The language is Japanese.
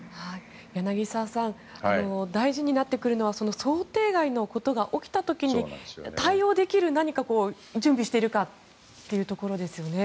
柳澤さん大事になってくるのは想定外のことが起きた時に対応できる何かを準備しているかですね。